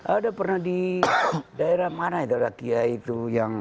ada pernah di daerah mana itu